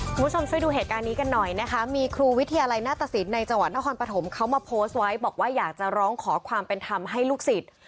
คุณผู้ชมช่วยดูเหตุการณ์นี้กันหน่อยนะคะมีครูวิทยาลัยหน้าตสินในจังหวัดนครปฐมเขามาโพสต์ไว้บอกว่าอยากจะร้องขอความเป็นธรรมให้ลูกศิษย์